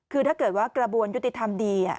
คือถ้าเกิดว่ากระบวนยุติธรรมดี